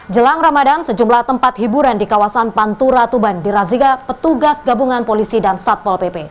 jelang ramadan sejumlah tempat hiburan di kawasan pantura tuban diraziga petugas gabungan polisi dan satpol pp